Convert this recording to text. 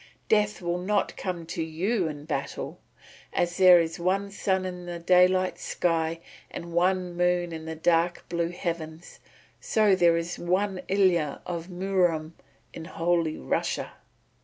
Death will not come to you in battle. As there is one sun in the daylight sky and one moon in the dark blue heavens, so there is one Ilya of Murom in Holy Russia."